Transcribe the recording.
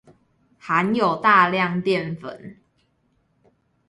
含有大量澱粉